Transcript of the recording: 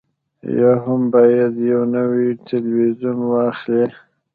یا هم باید یو نوی تلویزیون واخلئ